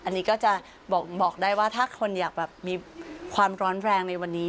อันนี้ก็จะบอกได้ว่าถ้าคนอยากมีความร้อนแรงในวันนี้